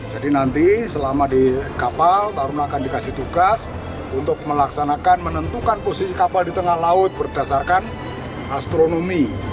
jadi nanti selama di kapal tarun akan dikasih tugas untuk melaksanakan menentukan posisi kapal di tengah laut berdasarkan astronomi